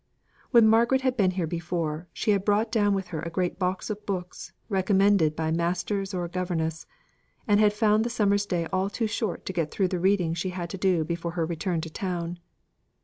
When Margaret had been here before, she had brought down with her a great box of books, recommended by masters or governess, and had found the summer's day all too short to get through the reading she had to do before her return to town.